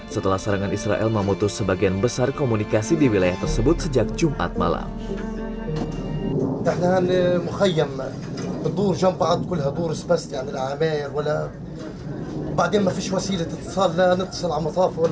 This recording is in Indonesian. setelah serangan israel memutus sebagian besar komunikasi di wilayah tersebut sejak jumat malam